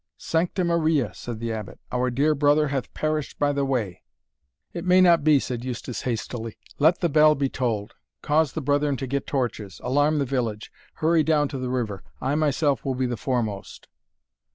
"Sancta Maria!" said the Abbot, "our dear brother hath perished by the way!" "It may not be," said Eustace, hastily "let the bell be tolled cause the brethren to get torches alarm the village hurry down to the river I myself will be the foremost."